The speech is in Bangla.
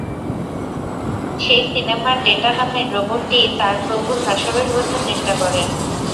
সেই সিনেমার ডেটা নামের রোবটটি তার প্রভুর হাস্যরস বোঝার চেষ্টা করে।